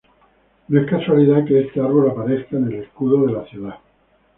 No es casualidad que este árbol aparezca en el escudo de la ciudad.